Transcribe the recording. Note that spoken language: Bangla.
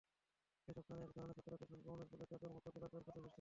এসব স্থানে একধরনের ছত্রাকের সংক্রমণের ফলে চাকার মতো গোলাকার ক্ষতের সৃষ্টি হয়।